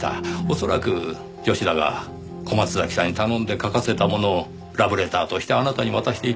恐らく吉田が小松崎さんに頼んで書かせたものをラブレターとしてあなたに渡していたのでしょう。